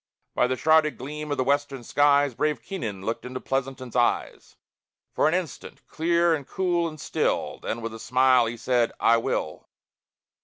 By the shrouded gleam of the western skies, Brave Keenan looked into Pleasanton's eyes For an instant clear, and cool, and still; Then, with a smile, he said: "I will."